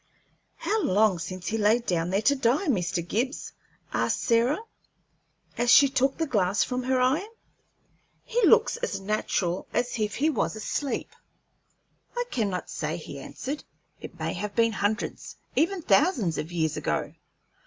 "How long since he laid down there to die, Mr. Gibbs?" asked Sarah, as she took the glass from her eye. "He looks as natural as if he was asleep." "I cannot say," he answered. "It may have been hundreds, even thousands, of years ago."